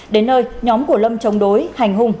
đến nơi nhóm của lâm chống đối hành hung